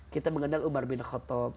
kita mengenal umar bin khotob